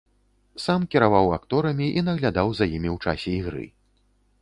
Сам кіраваў акторамі і наглядаў за імі ў часе ігры.